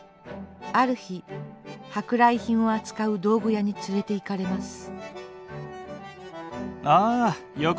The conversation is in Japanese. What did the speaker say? ある日舶来品を扱う道具屋に連れていかれます。